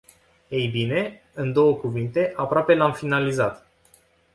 Ei bine, în două cuvinte, aproape l-am finalizat.